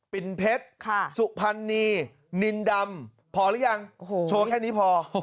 ินเพชรสุพรรณีนินดำพอหรือยังโชว์แค่นี้พอ